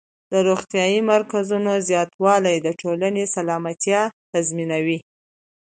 د روغتیايي مرکزونو زیاتوالی د ټولنې سلامتیا تضمینوي.